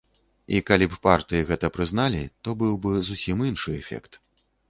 І калі б партыі гэта прызналі, то быў бы зусім іншы эфект.